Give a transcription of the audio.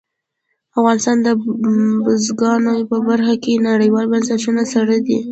افغانستان د بزګانو په برخه کې نړیوالو بنسټونو سره دی.